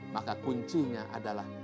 maka kuncinya adalah